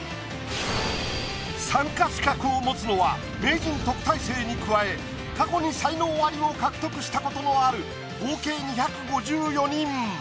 参加資格を持つのは名人・特待生に加え過去に才能アリを獲得したことのある合計２５４人。